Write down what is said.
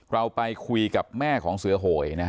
เราไปคุยกับแม่ของเสือโหยนะฮะ